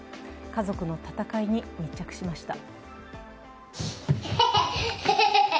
家族の闘いに密着しました。